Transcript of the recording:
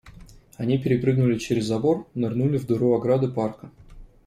Они перепрыгнули через забор, нырнули в дыру ограды парка.